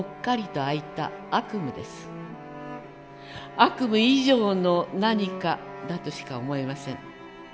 悪夢以上の何かだとしか思えません。